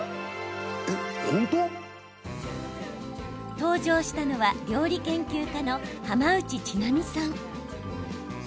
登場したのは料理研究家の浜内千波さん。